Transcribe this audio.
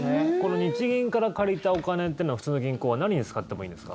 日銀から借りたお金というのは普通の銀行は何に使ってもいいんですか？